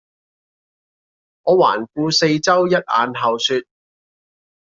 我環顧四周一眼後說